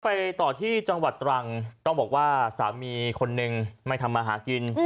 ไปต่อที่จังหวัดตรังต้องบอกว่าสามีคนนึงไม่ทำมาหากิน